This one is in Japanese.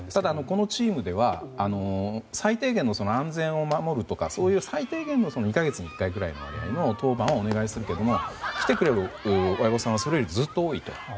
このチームでは最低限の安全を守るとかそういう最低限を２か月に１回くらいの割合で当番をお願いするけども来てくれる親御さんはずっと多いと。